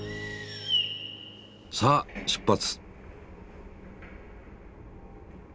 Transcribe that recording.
さあ出発。